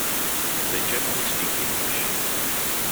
They generally speak English.